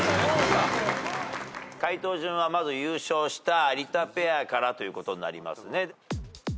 解答順はまず優勝した有田ペアからということになりますね。